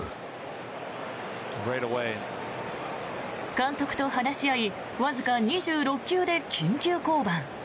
監督と話し合いわずか２６球で緊急降板。